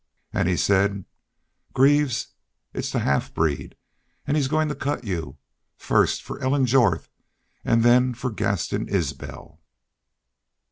An' he said: 'Greaves, it's the half breed. An' he's goin' to cut you FIRST FOR ELLEN JORTH! an' then for Gaston Isbel!'